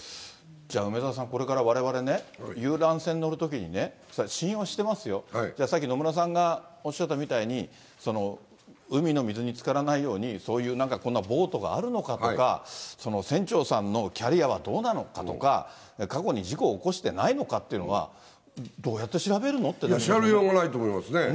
じゃあ、梅沢さん、これからわれわれね、遊覧船乗るときにね、そりゃ信用してますよ、さっき、野村さんがおっしゃったみたいに、海の水につからないように、そういうなんか、こんなボートがあるのかとか、船長さんのキャリアはどうなのかとか、過去に事故を起こしてないのかっていうのは、どうやって調べるの調べようがないと思いますね。